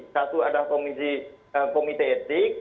satu adalah komite etik